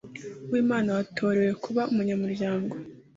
uwimana watorewe kuba umunyamuryango